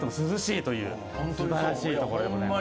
素晴らしいところでございます。